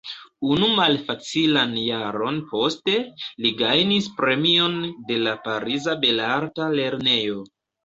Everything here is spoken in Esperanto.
Unu malfacilan jaron poste, li gajnis premion de la pariza belarta lernejo.